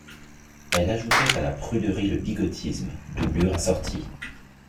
Elle ajoutait à la pruderie le bigotisme, doublure assortie.